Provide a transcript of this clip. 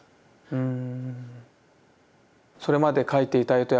うん。